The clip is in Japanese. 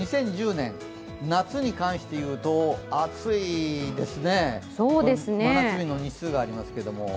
２０１０年、夏に関して言うと暑いですね、真夏日の日数がありますけれども。